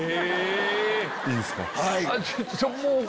いいですか？